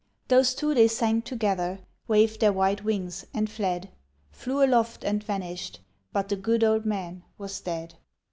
Those two they sang together, waved their white wings, and fled; Flew aloft, and vanish'd; but the good old man was dead.